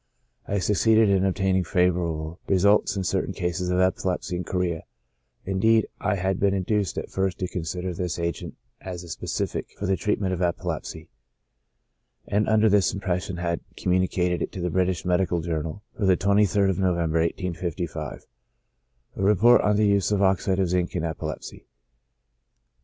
I succeeded in obtaining favorable results in certain cases of epilepsy and chorea ; indeed, I had been induced, at first, to consider this agent as a specific for the treatment of epilepsy, and under this impression had communicated to the " British Medical Journal" for the 23rd of November, 1855, a re port on the use of oxide of zinc in epilepsy.